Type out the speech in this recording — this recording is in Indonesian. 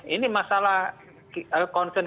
ini masalah konsentrasi